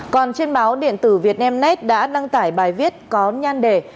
còn trên báo điện tử việt nam nét đã đăng tải bài viết có nhan đề